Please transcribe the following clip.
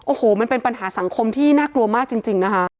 โอ้โหมันเป็นปัญหาสังคมที่น่ากลัวมากจริงนะคะ